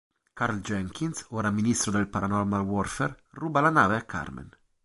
Carl Jenkins, ora ministro del Paranormal Warfare, ruba la nave a Carmen.